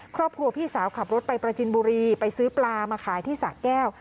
ครอบครัวพี่สาวขับรถไปประจินบุรีไปซื้อปลามาขายที่สะแก้ว